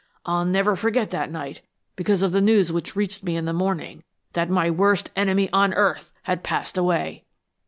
I'll never forget that night, because of the news which reached me in the morning, that my worst enemy on earth had passed away."